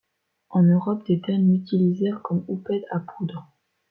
En Europe, des dames l’utilisèrent comme houpette à poudre.